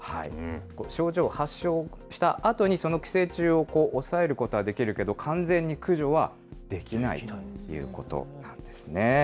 症状を発症したあとに、その寄生虫を抑えることはできるけど、完全に駆除はできないということなんですね。